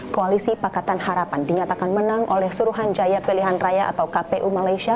koalisi pakatan harapan dinyatakan menang oleh suruhan jaya pilihan raya atau kpu malaysia